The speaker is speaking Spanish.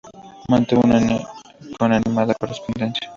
Mantuvo con Anne una animada correspondencia.